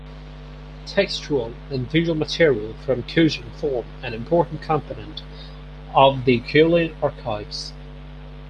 Textual and visual materials from Cushing form an important component of the Culin Archives.